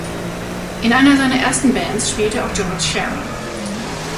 In einer seiner ersten Bands spielte auch George Shearing.